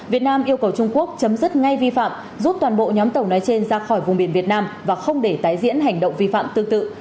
việt nam yêu cầu trung quốc chấm dứt ngay vi phạm rút toàn bộ nhóm tàu nói trên ra khỏi vùng biển việt nam và không để tái diễn hành động vi phạm tương tự